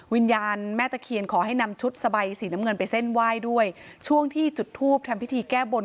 วิญญาณแม่ตะเคียนขอให้นำชุดสบายสีน้ำเงินไปเส้นไหว้ด้วยช่วงที่จุดทูปทำพิธีแก้บน